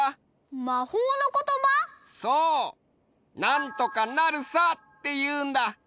「なんとかなるさ」っていうんだ。